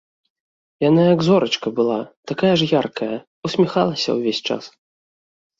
Яна як зорачка была, такая ж яркая, усміхалася ўвесь час.